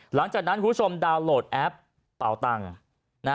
หลังจากนั้นคุณผู้ชมดาวน์โหลดแอปเป่าตังค์